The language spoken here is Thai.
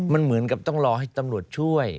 มันเหมือนกับต้องรอให้ตำรวจช่วย